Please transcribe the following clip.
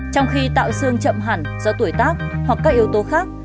trong khi tạo xương chậm hẳn do tuổi tác hoặc các yếu tố khác